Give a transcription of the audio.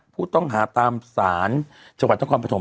ที่ต้องหาตามสารเฉพาะทั้งความปฐม